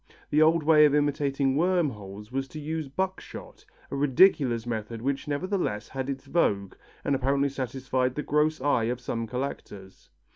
The old way of imitating worm holes was to use buckshot, a ridiculous method which nevertheless had its vogue and apparently satisfied the gross eye of some collectors.